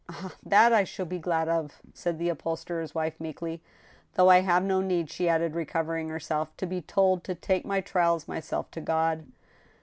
"Ah! that I shall be glad of," said the upholsterer's wife, meek ly, "though I have no need," she added, recovering herself, "to be told to take my trials myself to God."